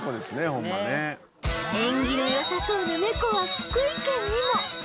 縁起の良さそうな猫は福井県にも